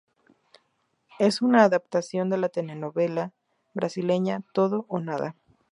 Es una adaptación de la telenovela brasileña Todo o nada.